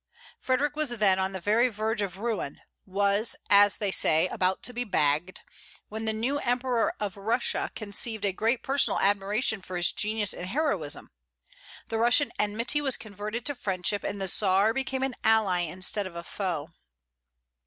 Frederic was then on the very verge of ruin, was, as they say, about to be "bagged," when the new Emperor of Russia conceived a great personal admiration for his genius and heroism; the Russian enmity was converted to friendship, and the Czar became an ally instead of a foe.